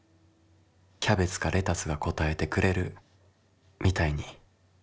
キャベツかレタスが答えてくれるみたいに」。